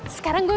sekarang gue mau